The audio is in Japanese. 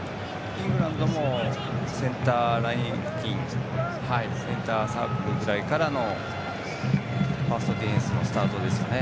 イングランドもセンターライン付近センターサークルぐらいからのファーストディフェンスのスタートですよね。